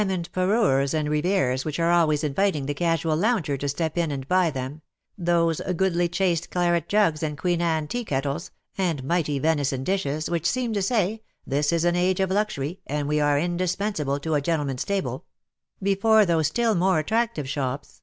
ond parures and rivieres, which are always invitiDg the casual lounger to step in and buy them — those goodly chased claret jugs, and Queen Anne tea kettles, and mighty venison dishes, which seem to say, this is an age of luxury, and we are indispensable to a gentle man's table — before those still more attractive shops 206 CUPID AND PSYCHE.